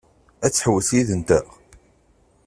Ad tḥewwes yid-nteɣ?